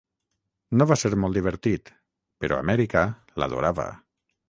No va ser molt divertit, però Amèrica l'adorava